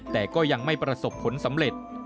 แต่ก็ยังไม่ประสบผลสำเร็จ